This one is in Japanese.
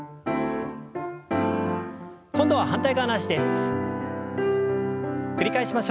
今度は反対側の脚です。